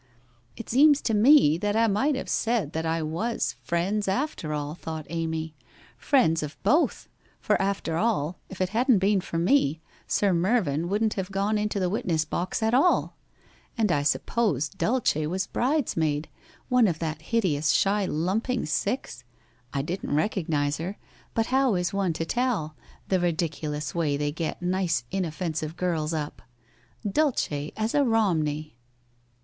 * It seems to me that I might have said that I was " Friends " after all,' thought Amy, * friends of both, for after all, if it hadn't been for me, Sir Mervyn wouldn't have gone into the witness box at all ! And I sup pose Dulce was bridesmaid — one of that hideous shy lump ing six? I didn't recognise her, but how is one to tell, the ridiculous way they get nice inoffensive girls up ! Dulce as a Eomney